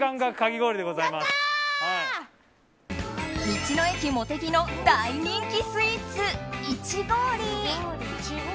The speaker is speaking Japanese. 道の駅もてぎの大人気スイーツ、いちごおり。